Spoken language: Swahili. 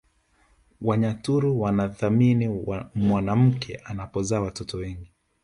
Wanyaturu wanathamini mwanamke anapozaa watoto wengi